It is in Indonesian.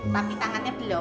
tapi tangannya belum